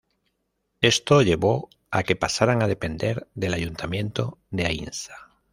Esto llevó a que pasaran a depender del ayuntamiento de Aínsa.